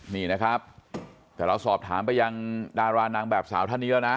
นี่นะครับแต่เราสอบถามไปยังดารานางแบบสาวท่านนี้แล้วนะ